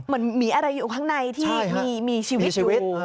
มันมีอะไรอยู่ข้างในที่มีชีวิตอยู่